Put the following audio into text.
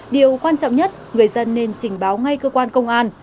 điều quan trọng nhất người dân nên trình báo ngay cơ quan công an